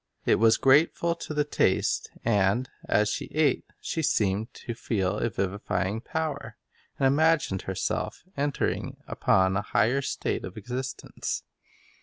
It was grateful to the taste, and, as she sight versus ate, she seemed to feel a vivifying power, and imagined Goer? Word herself entering upon a higher state of existence.